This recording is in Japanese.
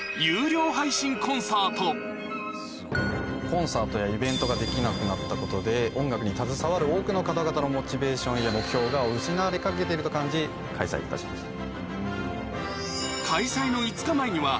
コンサートやイベントができなくなったことで音楽に携わる多くの方々のモチベーションや目標が失われかけていると感じ開催いたしました。